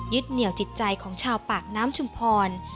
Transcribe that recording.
เหนี่ยวจิตใจของชาวปากน้ำชุมพร